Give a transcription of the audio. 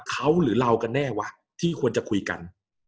เขาหรือเรากันแน่วะที่ควรจะคุยกัน